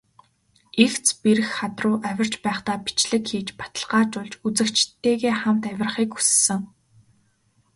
Эгц бэрх хад руу авирч байхдаа бичлэг хийж, баталгаажуулж, үзэгчидтэйгээ хамт авирахыг хүссэн.